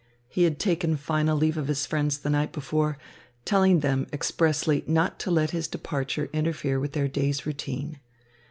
He had taken final leave of his friends the night before, telling them expressly not to let his departure interfere with their day's routine.